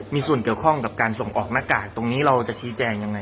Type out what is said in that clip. มีส่วนเกี่ยวข้องกับการส่งออกหน้ากากตรงนี้เราจะชี้แจงยังไง